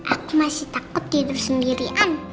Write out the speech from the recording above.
aku masih takut tidur sendirian